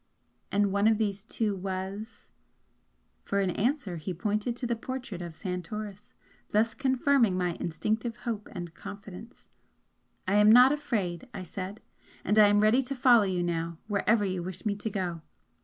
"And one of these two was ?" For answer, he pointed to the portrait of Santoris, thus confirming my instinctive hope and confidence. "I am not afraid!" I said "And I am ready to follow you now wherever you wish me to go."